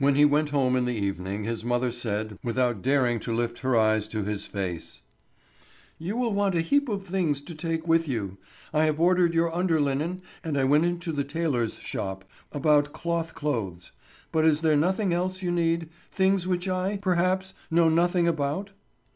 When he went home in the evening his mother said, without daring to lift her eyes to his face: "You will want a heap of things to take with you. I have ordered your under linen, and I went into the tailor's shop about cloth clothes; but is there nothing else you need—things which I, perhaps, know nothing about?"